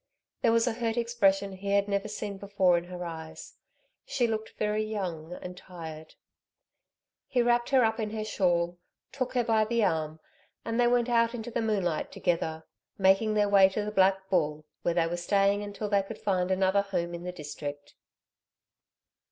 There was a hurt expression he had never seen before in her eyes. She looked very young and tired. He wrapped her up in her shawl, took her by the arm, and they went out into the moonlight together, making their way to the Black Bull, where they were staying until they could find another home in the district.